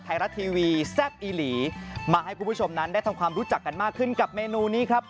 ไทยรัฐทีวีแซ่บอีหลีมาให้คุณผู้ชมนั้นได้ทำความรู้จักกันมากขึ้นกับเมนูนี้ครับ